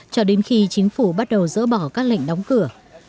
cho đến khi chính phủ bắt đầu dỡ bỏ các lệnh đóng cửa